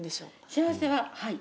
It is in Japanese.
幸せははい。